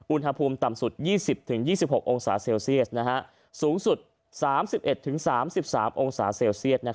อุณหภูมิต่ำสุด๒๐๒๖องศาเซลเซียสสูงสุด๓๑๓๓องศาเซลเซียต